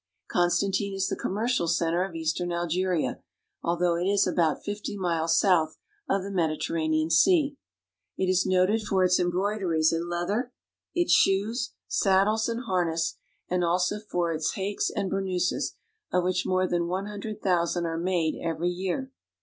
Gonstantine is the commercial center of eastern Algeria, although it is about fifty miles south of the Mediterranean Sea. It is noted for its embroideries in leather, its shoes, saddles, and harness, and also for its haiks and burnouses, of which more than one hundred thousand are made every year.